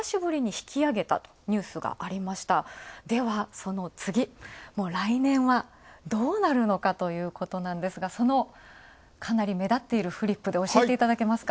その次、来年はどうなるのかということなんですが、かなり目立っているフリップで教えていただけますか。